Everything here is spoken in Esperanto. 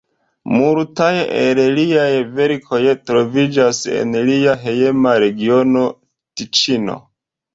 Multaj el liaj verkoj troviĝas en lia hejma regiono, Tiĉino.